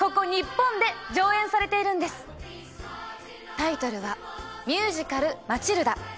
タイトルはミュージカル『マチルダ』。